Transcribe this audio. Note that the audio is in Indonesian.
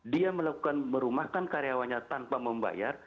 dia melakukan merumahkan karyawannya tanpa membayar